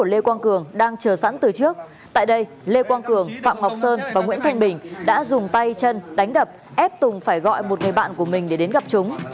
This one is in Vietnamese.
lê quang cường đang chờ sẵn từ trước tại đây lê quang cường phạm ngọc sơn và nguyễn thanh bình đã dùng tay chân đánh đập ép tùng phải gọi một người bạn của mình để đến gặp chúng